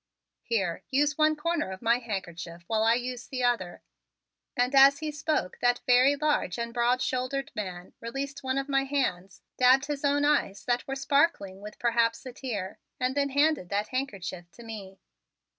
Here, use one corner of my handkerchief while I use the other," and as he spoke that very large and broad shouldered man released one of my hands, dabbed his own eyes that were sparkling with perhaps a tear, and then handed that handkerchief to me.